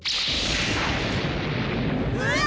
うわ！